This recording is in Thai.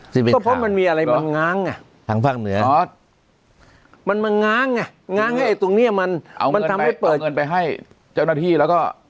ด้วยพ่อมีอะไรมันไม้ง้างทางฝั่งเหนือนะมันไม้ง้างไอ้ตรงนี้มันเอาเงินไปให้เจ้าหน้าที่แล้วก็